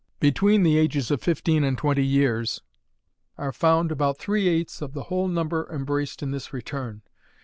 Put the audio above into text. Between the ages of fifteen and twenty years are found about three eighths of the whole number embraced in this return.